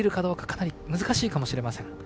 かなり難しいかもしれません。